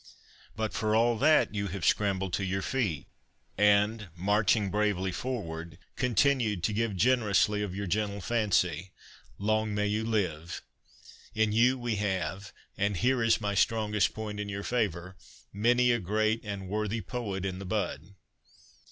But for all that you have scrambled to your feet, and marching bravely forward, continued to give generously of your gentle fancy. Long may you live ! In you we have (and here is my strongest point in your favour) many a great and worthy poet in the bud.